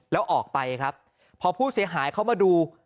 แล้วออกไปครับพอผู้เสียหายเขามาดู